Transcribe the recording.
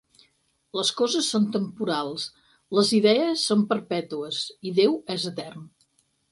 Les coses són temporals, les idees són perpètues i Déu és etern.